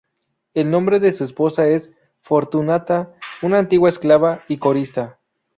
El nombre de su esposa es Fortunata, una antigua esclava y corista.